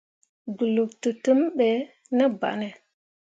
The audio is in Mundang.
Goluk tǝtǝmmi ɓe ne banne.